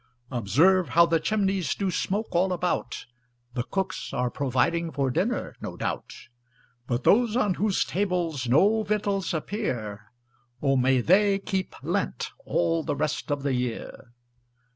Observe how the chimneys Do smoke all about; The cooks are providing For dinner, no doubt; But those on whose tables No victuals appear, O may they keep Lent All the rest of the year.